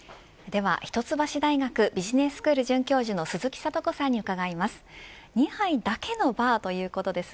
では一橋大学ビジネススクール准教授の鈴木智子さんに伺います。